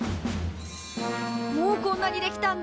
もうこんなにできたんだ！